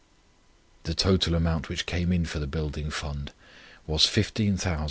The total amount which came in for the Building Fund was £15,784 18s.